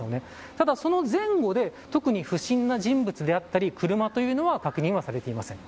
ただ、その前後で特に不審な人物だったり車というのは確認はされていません。